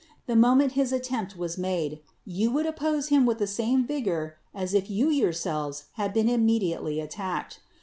the moment his attempt was m.ade, you would oppose him with the same vigor as if you }our selves had been immediately attacked.